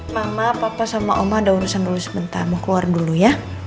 mama papa sama oma ada urusan dulu sebentar mau keluar dulu ya